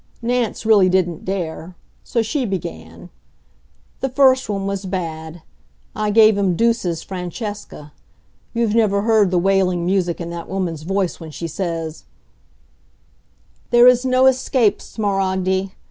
Nance really didn't dare. So she began. The first one was bad. I gave 'em Duse's Francesca. You've never heard the wailing music in that woman's voice when she says: "There is no escape, Smaragdi.